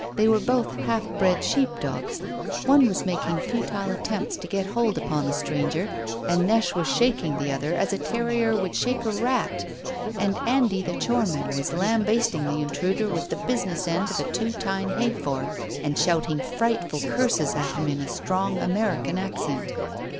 They were both half bred sheep dogs. One was making futile attempts to get a hold upon the stranger, and Neche was shaking the other as a terrier would shake a rat. And Andy, the choreman, was lambasting the intruder with the business end of a two tine hay fork, and shouting frightful curses at him in a strong American accent.